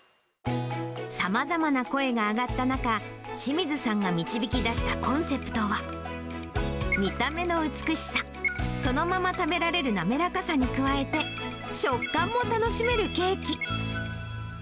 さまざまな声が上がった中、志水さんが導き出したコンセプトは、見た目の美しさ、そのまま食べられる滑らかさに加えて、食感も楽しめるケーキ。